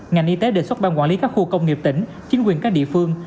ngành y tế đề xuất ban quản lý các khu công nghiệp tỉnh chính quyền các địa phương